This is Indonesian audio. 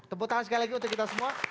tepuk tangan sekali lagi untuk kita semua